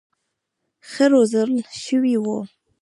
ښه روزل شوي وو.